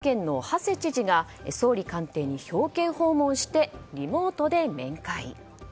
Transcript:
石川県の馳知事が総理官邸に表敬訪問してリモートで面会。